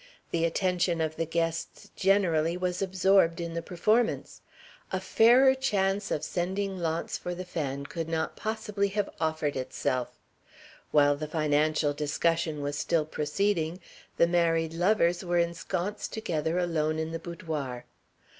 The attention of the guests generally was absorbed in the performance. A fairer chance of sending Launce for the fan could not possibly have offered itself. While the financial discussion was still proceeding, the married lovers were ensconced together alone in the boudoir.